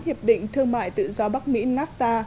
hiệp định thương mại tự do bắc mỹ nafta